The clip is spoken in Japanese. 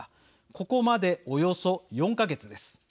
ここまで、およそ４か月です。